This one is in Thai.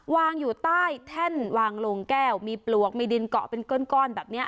วางอยู่ใต้แท่นวางโลงแก้วมีปลวกมีดินเกาะเป็นก้อนแบบนี้